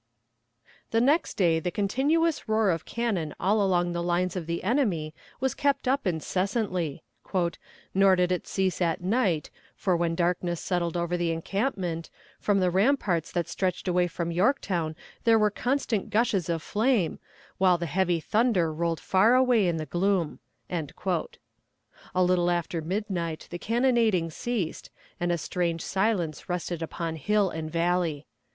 The next day the continuous roar of cannon all along the lines of the enemy was kept up incessantly. "Nor did it cease at night, for when darkness settled over the encampment, from the ramparts that stretched away from Yorktown there were constant gushes of flame, while the heavy thunder rolled far away in the gloom." A little after midnight the cannonading ceased, and a strange silence rested upon hill and valley.